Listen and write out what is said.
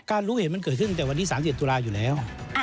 รู้เหตุมันเกิดขึ้นแต่วันที่๓๑ตุลาอยู่แล้ว